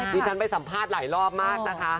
ดิฉันไปสัมภาษณ์หลายรอบมากนะคะ